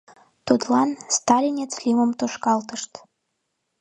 Тудлан «Сталинец» лӱмым тушкалтышт.